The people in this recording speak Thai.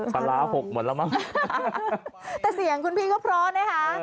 ปลาร้าหกหมดแล้วมั้งแต่เสียงคุณพี่ก็เพราะนะคะ